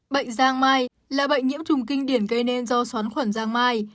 bệnh giang mai là bệnh nhiễm trùng kinh điển gây nên do xoắn khuẩn giang mai